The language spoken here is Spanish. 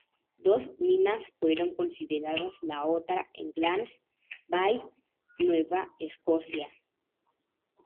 Dos minas fueron consideradas, la otra en Glace Bay, Nueva Escocia.